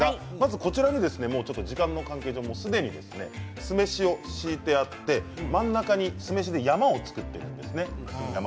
こちらに、時間の関係上すでに酢飯を敷いてあって真ん中に酢飯で山を作っているんですね。